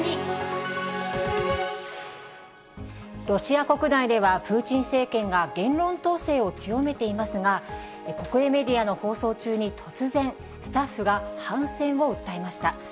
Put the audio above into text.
ロシア国内では、プーチン政権が言論統制を強めていますが、国威、国営メディアの放送中に突然、スタッフが反戦を訴えました。